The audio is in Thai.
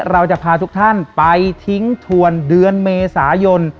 เราจะพาทุกท่านไปทิ้งถวนเดือนเมษายน